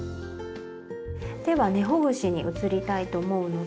では根ほぐしに移りたいと思うので。